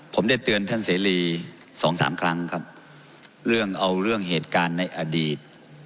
ผมได้เตือนท่านเสรีสองสามครั้งครับเรื่องเอาเรื่องเหตุการณ์ในอดีต